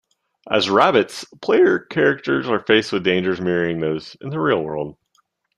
As rabbits, player characters are faced with dangers mirroring those in the real world.